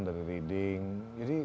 dari reading jadi